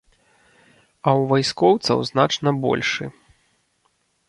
А ў вайскоўцаў значна большы.